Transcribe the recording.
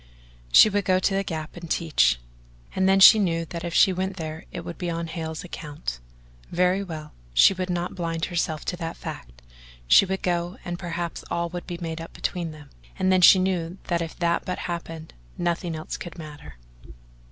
She would go to the Gap and teach; and then she knew that if she went there it would be on Hale's account. Very well, she would not blind herself to that fact; she would go and perhaps all would be made up between them, and then she knew that if that but happened, nothing else could matter...